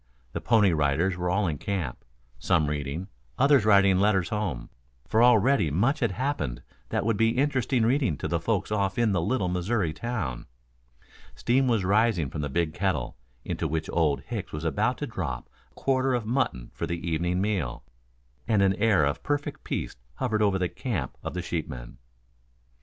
The Pony Riders were all in camp, some reading, others writing letters home, for already much had happened that would make interesting reading to the folks off in the little Missouri town. Steam was rising from the big kettle, into which Old Hicks was about to drop a quarter of mutton for the evening meal, and an air of perfect peace hovered over the camp of the sheepmen.